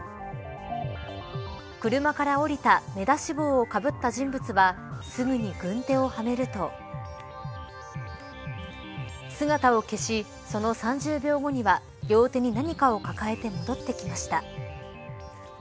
車から降りた目出し帽をかぶった人物はすぐに軍手をはめると姿を消し、その３０秒後には両手に何かを抱えて戻ってきました。